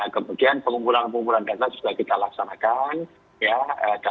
kemudian pengumpulan pengumpulan data juga kita laksanakan